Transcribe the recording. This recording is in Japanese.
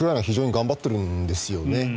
非常に頑張ってるんですよね。